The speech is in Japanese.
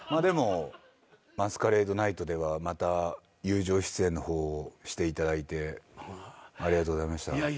でも『マスカレード・ナイト』ではまた友情出演の方をしていただいてありがとうございました。